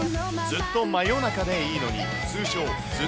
ずっと夜中でいいのにです。